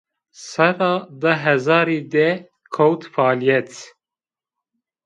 Serra di hezarî de kewt fealîyet